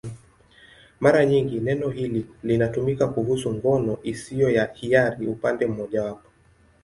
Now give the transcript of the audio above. Mara nyingi neno hili linatumika kuhusu ngono isiyo ya hiari upande mmojawapo.